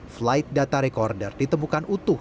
flight data recorder ditemukan utuh